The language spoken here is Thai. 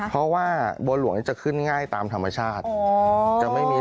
ข้างบัวแห่งสันยินดีต้อนรับทุกท่านนะครับ